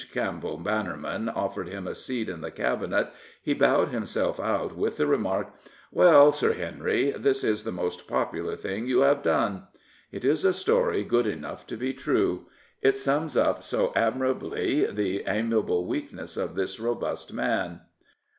Campbell Bannerman offered him a seat in the Cabinet he bowed himself out with the remark, " Well, Sir Henry, this is the most popular thing you have done." It is a story good enough to be true. It sums up so admir ably the amiable weakness of this robust man.